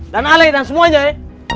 dan ale dan semuanya ya